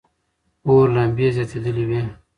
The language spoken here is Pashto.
اور لمبې زیاتېدلې وې.